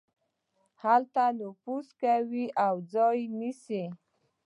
هلته نفوذ کوي او ځای نيسي.